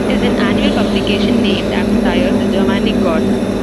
It is an annual publication named after Tyr, the Germanic god.